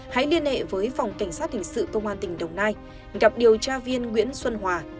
hãy liên hệ với phòng cảnh sát hình sự công an tỉnh đồng nai gặp điều tra viên nguyễn xuân hòa